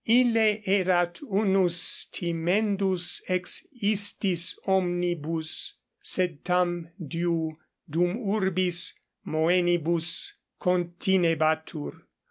Ille erat unus timendus ex istis omnibus, sed tam diu, dum urbis moenibus continebatur.